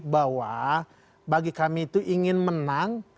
bahwa bagi kami itu ingin menang